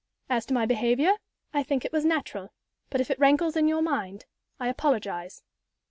As to my behavior, I think it was natural; but if it rankles in your mind, I apologize."